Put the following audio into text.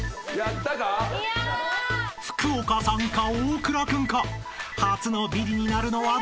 ［福岡さんか大倉君か初のビリになるのはどっちだ？］